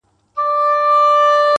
د يو افغان کمونست